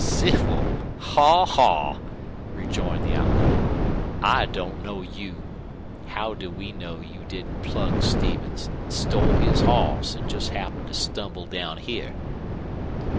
"Civil? Haw, haw!" rejoined the outlaw. "I don't know you. How do we know you didn't plug Stevens, an' stole his hoss, an' jest happened to stumble down here?"